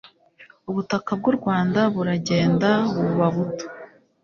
ubutaka bw u rwanda buragenda buba buto